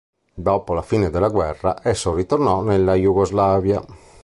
Dopo la fine della guerra esso ritornò nella Jugoslavia.